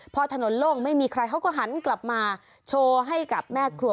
พอถนนโล่งไม่มีใครเขาก็หันกลับมาโชว์ให้กับแม่ครัว